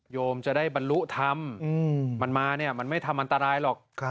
โยมจะได้บรรลุธรรมมันมาเนี่ยมันไม่ทำอันตรายหรอก